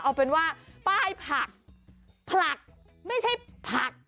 เอาเป็นว่าป้ายผักผลักไม่ใช่ผัก